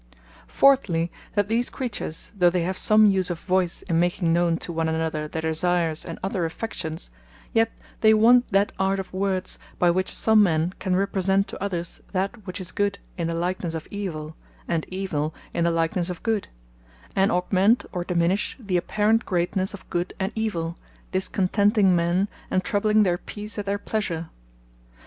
Fourthly, that these creatures, though they have some use of voice, in making knowne to one another their desires, and other affections; yet they want that art of words, by which some men can represent to others, that which is Good, in the likenesse of Evill; and Evill, in the likenesse of Good; and augment, or diminish the apparent greatnesse of Good and Evill; discontenting men, and troubling their Peace at their pleasure.